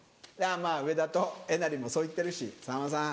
まぁ上田とえなりもそう言ってるし「さんまさん